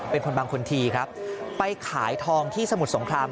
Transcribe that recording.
เป็นคนบางคนทีครับไปขายทองที่สมุทรสงคราม